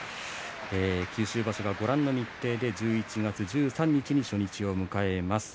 九州場所は１１月１３日に初日を迎えます。